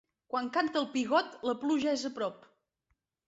Quan canta el pigot la pluja és a prop.